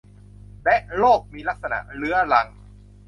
และโรคมีลักษณะเรื้อรัง